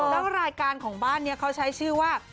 แล้วรายการของบ้านนี้เขาใช้ชื่อว่า